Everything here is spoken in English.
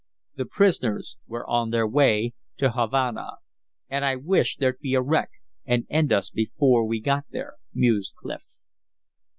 The prisoners were on their way to Havana. "And I wish there'd be a wreck and end us before we got there," mused Clif.